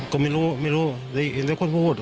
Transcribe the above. ก็ไม่รู้ไม่รู้ที่ในตัวพูด